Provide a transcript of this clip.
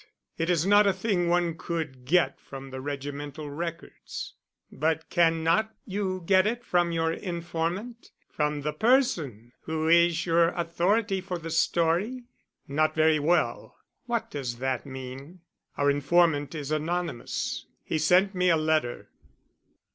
It is not a thing one could get from the regimental records." "But cannot you get it from your informant from the person who is your authority for the story?" "Not very well." "What does that mean?" "Our informant is anonymous. He sent me a letter."